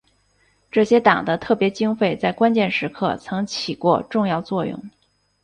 这些党的特别经费在关键时刻曾起过重要作用。